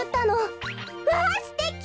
わあすてき！